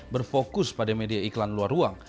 berfokus pada media iklan luar ruang